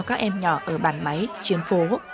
các em nhỏ ở bản máy chiến phố